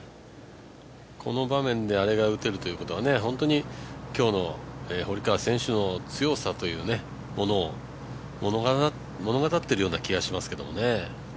この場面であれが打てるということは、本当に今日の堀川選手の強さというものを物語っているような気がしますけどね。